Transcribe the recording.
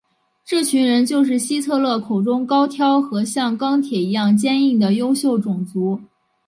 这群人就是希特勒口中高挑和像钢铁一样坚硬的优秀种族。